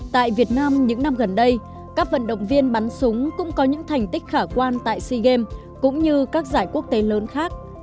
tại việt nam những năm gần đây các vận động viên bắn súng cũng có những thành tích khả quan tại sea games cũng như các giải quốc tế lớn khác